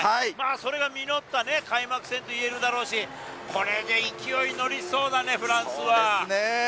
それが実ったね、開幕戦といえるだろうし、これで勢いに乗りそうだね、フランスは。